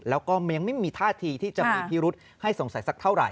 แล้วก็ยังไม่มีท่าทีที่จะมีพิรุษให้สงสัยสักเท่าไห